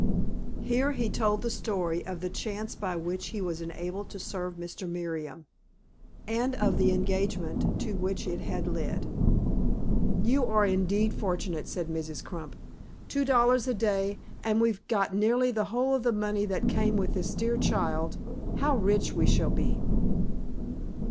Here he told the story of the chance by which he was enabled to serve Mr. Merriam, and of the engagement to which it had led. "You are, indeed, fortunate," said Mrs. Crump. "Two dollars a day, and we've got nearly the whole of the money that came with this dear child. How rich we shall be!"